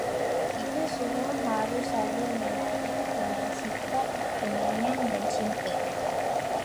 Kita semua harus saling melayan dengan sifat penyayang dan cinta